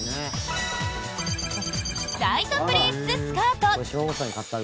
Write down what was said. ○○ライトプリーツスカート。